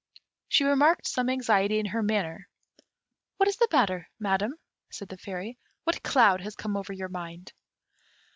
She remarked some anxiety in her manner. "What is the matter, madam?" said the Fairy; "what cloud has come over your mind?"